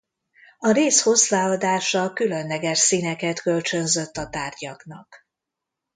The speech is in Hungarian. A réz hozzáadása különleges színeket kölcsönzött a tárgyaknak.